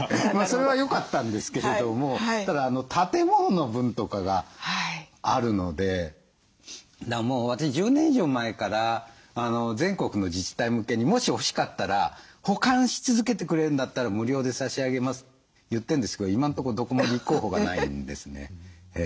まあそれはよかったんですけれどもただ建物の分とかがあるのでもう私１０年以上前から全国の自治体向けに「もし欲しかったら保管し続けてくれるんだったら無料で差し上げます」って言ってんですけど今んとこどこも立候補がないんですね。